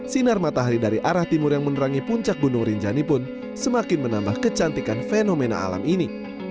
sinar matahari dari arah timur yang menerangi puncak gunung rinjani pun semakin menambah kecantikan fenomena alam ini